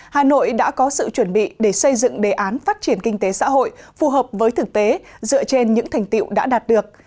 hà nội đã có sự chuẩn bị để xây dựng đề án phát triển kinh tế xã hội phù hợp với thực tế dựa trên những thành tiệu đã đạt được